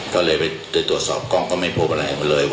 ก็เลยไปตรวจสอบกล้องก็ไม่พบอะไรเลยวันไปแล้ว